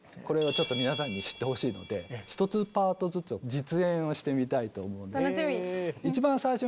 これをちょっと皆さんに知ってほしいので１パートずつを実演をしてみたいと思います。